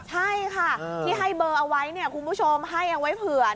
ใช่ค่ะที่ให้เบอร์เอาไว้เนี่ยคุณผู้ชมให้เอาไว้เผื่อ